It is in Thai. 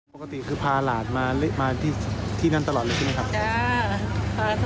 ปกติคือพาหลานมาที่นั่นตลอดเลยใช่ไหมครับ